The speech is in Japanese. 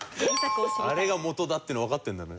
あれが元だっていうのわかってるんだね。